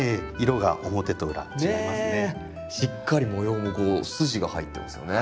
しっかり模様も筋が入ってますよね。